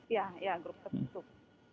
ya ya grup tertutup